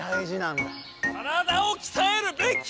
体をきたえるべき！